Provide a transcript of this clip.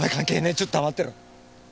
ちょっと黙ってろ。